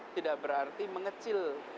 tidak berarti mengecil